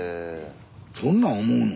そんなん思うの？